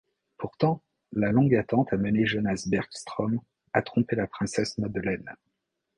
Pourtant, la longue attente a mené Jonas Bergström à tromper la princesse Madeleine.